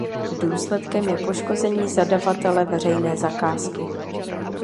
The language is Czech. Důsledkem je poškození zadavatele veřejné zakázky.